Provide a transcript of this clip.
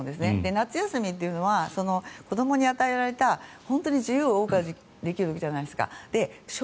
夏休みっていうのは子どもに与えられた自由をおう歌できるわけじゃないですか。